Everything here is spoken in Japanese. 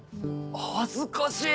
恥ずかしい。